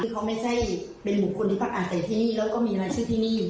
เขาไม่ใช่เป็นบุคคลที่พักอาศัยที่นี่แล้วก็มีรายชื่อที่นี่